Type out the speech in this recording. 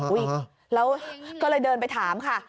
แล้วก็เลยเดินไปถามค่ะ